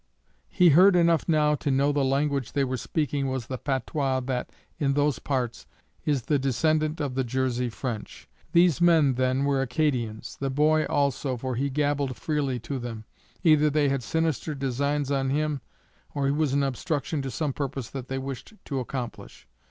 He heard enough now to know the language they were speaking was the patois that, in those parts, is the descendant of the Jersey French. These men, then, were Acadians the boy also, for he gabbled freely to them. Either they had sinister designs on him, or he was an obstruction to some purpose that they wished to accomplish.